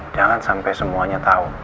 jangan sampai semuanya tau